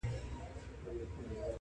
پر څښتن دسپي دي وي افرینونه-